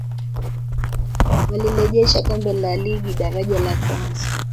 walilejesha kombe la ligi daraja la kwanza